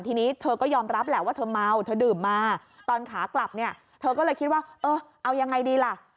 ทีนี้เธอก็ยอมรับแหละว่าเธอเมาเธอดื่มมาตอนขากลับเนี่ยเธอก็เลยคิดว่าเออเอายังไงดีล่ะ